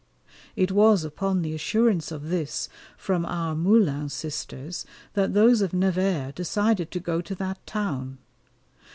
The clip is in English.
It was upon the assurance of this from our Moulins sisters that those of Nevers decided to go to that town.